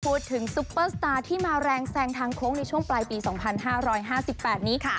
พูดถึงซุปเปอร์สตาร์ที่มาแรงแซงทางโค้งในช่วงปลายปีสองพันห้าร้อยห้าสิบแปดนี้ค่ะ